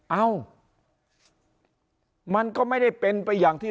เอ้ามันก็ไม่ได้เป็นไปอย่างที่